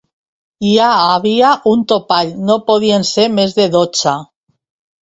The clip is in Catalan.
Hi ha havia un topall: no podien ser més de dotze.